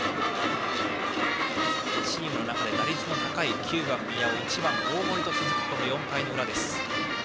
チームの中で打率が高い９番、宮尾１番、大森と続くところ。